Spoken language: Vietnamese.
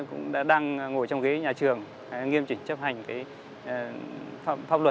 cơ quan cũng cảnh báo các thanh thiếu liên đang ngồi trong ghế nhà trường nghiêm trình chấp hành pháp luật